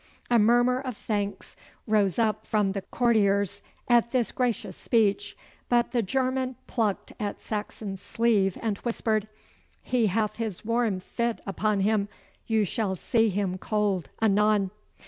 A murmur of thanks rose up from the courtiers at this gracious speech, but the German plucked at Saxon's sleeve and whispered, 'He hath his warm fit upon him. You shall see him cold anon.